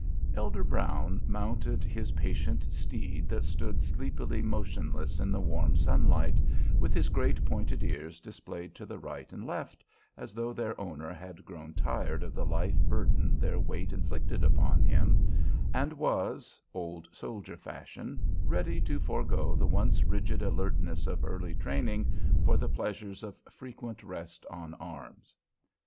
Elder Brown mounted his patient steed that stood sleepily motionless in the warm sunlight, with his great pointed ears displayed to the right and left, as though their owner had grown tired of the life burden their weight inflicted upon him, and was, old soldier fashion, ready to forego the once rigid alertness of early training for the pleasures of frequent rest on arms.